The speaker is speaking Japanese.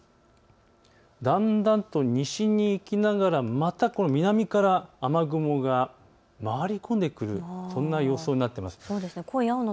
だんだんと西に行きながらもまた南から雨雲が回り込んでくる、そんな予想になっています。